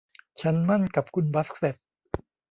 ฉันหมั้นกับคุณบาสเส็ต